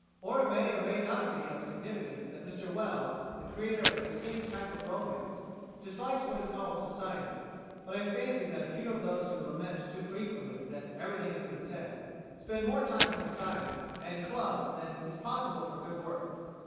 It may or may not be of significance that Mr Wells, the creator of a distinct type of romance, dislikes what is called "Society," but I fancy that a few of those who lament too frequently that "everything has been said" spend more time in "Society" and clubs than is possible for good work.